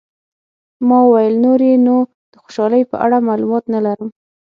ما وویل، نور یې نو د خوشحالۍ په اړه معلومات نه لرم.